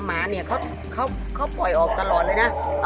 หมาเนี่ยเขาปล่อยออกตลอดเลยนะ